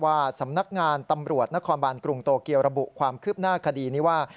ว่าสำนักงานตำรวจนครบานกรุงโตเกียวระบุความคืบหน้าคดีนี้ว่า